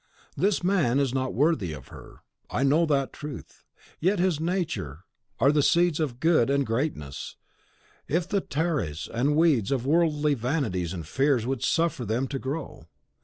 This man is not worthy of her, I know that truth; yet in his nature are the seeds of good and greatness, if the tares and weeds of worldly vanities and fears would suffer them to grow.